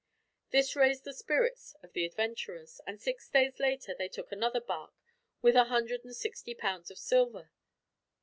This raised the spirits of the adventurers, and six days later they took another barque, with a hundred and sixty pounds of silver.